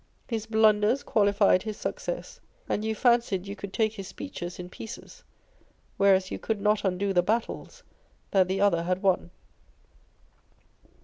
His blunders qualified his success ; and you fancied you could take his speeches in pieces, whereas you could not undo the battles that the other had won.